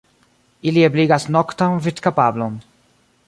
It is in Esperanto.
Ili ebligas noktan vidkapablon.